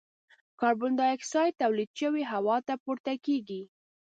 کاربن ډای اکسایډ تولید شوی هوا ته پورته کیږي.